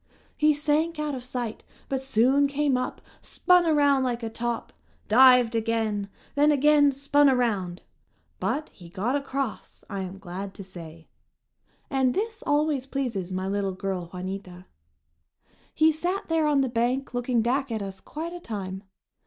He sank out of sight but soon came up, spun around like a top, dived again, then again spun around. But he got across, I am glad to say. And this always pleases my little girl, Juanita. He sat there on the bank looking back at us quite a time.